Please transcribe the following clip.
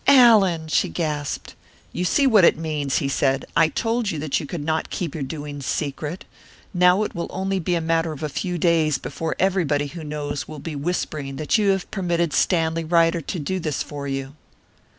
"Allan!" she gasped. "You see what it means," he said. "I told you that you could not keep your doings secret. Now it will only be a matter of a few days before everybody who knows will be whispering that you have permitted Stanley Ryder to do this for you."